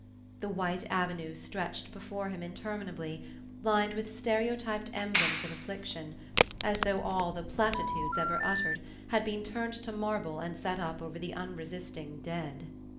The white avenues stretched before him interminably, lined with stereotyped emblems of affliction, as though all the platitudes ever uttered had been turned to marble and set up over the unresisting dead.